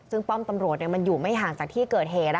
ซึ่งป้อมตำรวจมันอยู่ไม่ห่างจากที่เกิดเหตุ